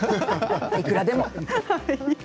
いくらでも。